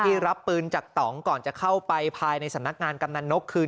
รับปืนจากต่องก่อนจะเข้าไปภายในสำนักงานกำนันนกคืน